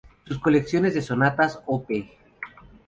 Sus colecciones de sonatas Op.